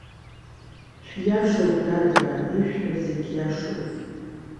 Шәиашоуп, дадраа, ишәҳәо зегьы иашоуп.